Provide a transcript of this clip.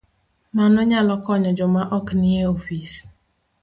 Mano nyalo konyo joma ok nie ofis